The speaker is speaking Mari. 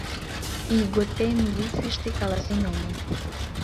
— Ийготем милицийыште каласен омыл.